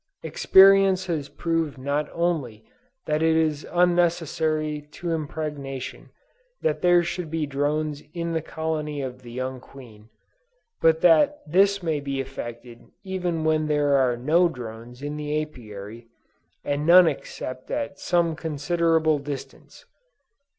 Experience has proved not only that it is unnecessary to impregnation that there should be drones in the colony of the young queen, but that this may be effected even when there are no drones in the Apiary, and none except at some considerable distance.